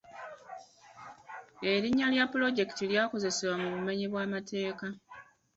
Erinnya lya pulojekiti lya kozesebwa mu bumenyi bw'amateeka.